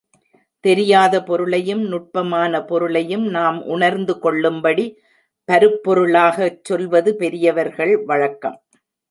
தெரியாத பொருளையும், நுட்பமான பொருளையும் நாம் உணர்ந்து கொள்ளும்படி பருப்பொருளாகச் சொல்வது பெரியவர்கள் வழக்கம்.